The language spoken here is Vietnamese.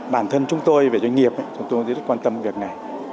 bản thân chúng tôi về doanh nghiệp chúng tôi rất quan tâm việc này